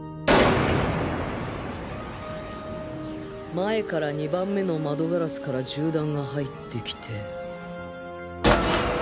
前から２番目の窓ガラスから銃弾が入ってきて